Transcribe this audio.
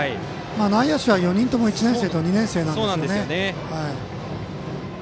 内野手は４人とも１年生と２年生なんですよね。